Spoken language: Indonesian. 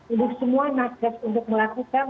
untuk semua nakes untuk melakukan